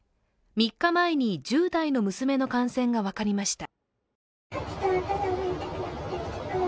３日前に１０代の娘の感染が分かりました。